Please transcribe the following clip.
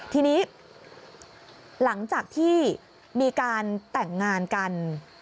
ทีนี้หลังจากที่มีการแต่งงานกัน